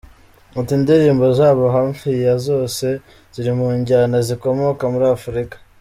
Ati “Indirimbo zabo hafi ya zose ziri mu njyana zikomoka muri Afurika.